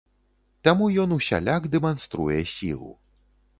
Таму ён усяляк дэманструе сілу.